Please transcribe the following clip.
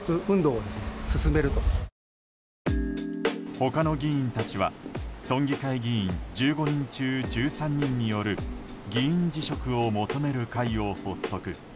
他の議員たちは村議会議員１５人中１３人による議員辞職を求める会を発足。